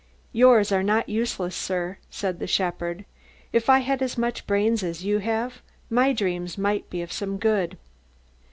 "Yours are not useless, sir," said the shepherd. "If I had as much brains as you have, my dreams might be of some good."